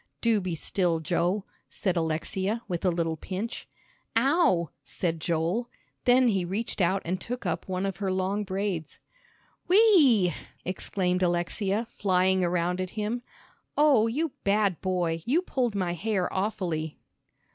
"Do be still, Joe," said Alexia, with a little pinch. "Ow!" said Joel. Then he reached out and took up one of her long braids. "Whee!" exclaimed Alexia, flying around at him. "Oh, you bad boy, you pulled my hair awfully."